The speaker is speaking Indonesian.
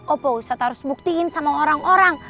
opo ustadz harus buktiin sama orang orang